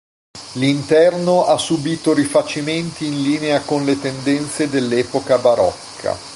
L'interno ha subito rifacimenti in linea con le tendenza dell'epoca barocca.